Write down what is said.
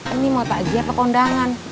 ini mau tak ajar ke kondangan